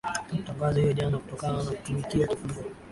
na kutangazwa hiyo jana kutokana na kutumikia kifungo